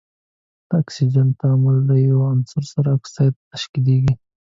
د اکسیجن تعامل له یو عنصر سره اکساید تشکیلیږي.